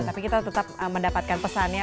tapi kita tetap mendapatkan pesannya